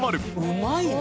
うまいわ！